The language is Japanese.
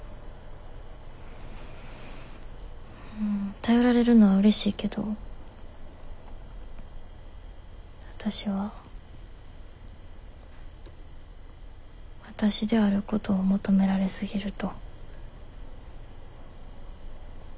頼られるのはうれしいけどわたしはわたしであることを求められすぎると。